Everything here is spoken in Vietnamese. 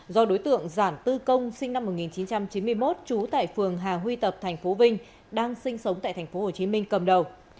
do đối tượng giản tư công sinh năm một nghìn chín trăm chín mươi một trú tại phường hà huy tập tp vinh đang sinh sống tại tp hcm cầm đầu